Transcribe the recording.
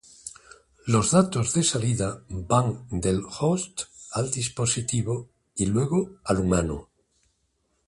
Los datos de salida van del "host" al dispositivo y luego al humano.